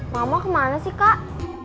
mama kemana sih kak